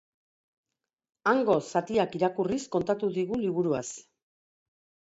Hango zatiak irakurriz kontatu digu liburuaz.